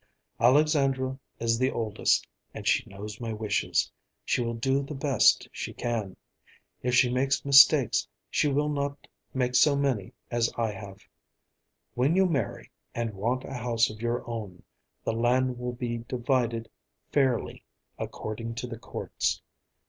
Alexandra is the oldest, and she knows my wishes. She will do the best she can. If she makes mistakes, she will not make so many as I have made. When you marry, and want a house of your own, the land will be divided fairly, according to the courts.